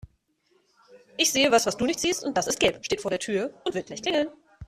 Ich sehe was, was du nicht siehst und das ist gelb, steht vor der Tür und wird gleich klingeln.